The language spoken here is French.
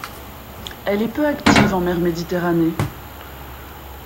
Elle est peu active en mer Méditerranée.